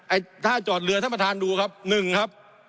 ไอ้ท่าจอดเรือท่านประธานดูครับ